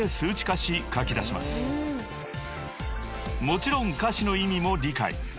［もちろん歌詞の意味も理解］